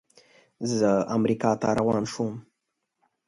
زه امریکا ته روان شوم.